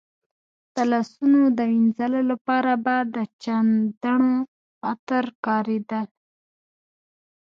د لاسونو د وینځلو لپاره به د چندڼو عطر کارېدل.